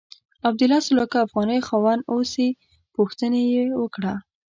او د لسو لکو افغانیو خاوند اوسې پوښتنه یې وکړه.